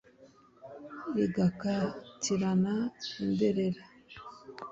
rigakatirana imberera